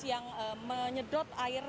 yang menyedot air